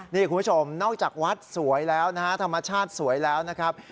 นี่คุณผู้ชมนอกจากวัดสวยแล้วนะฮะธรรมชาติสวยแล้วนะครับ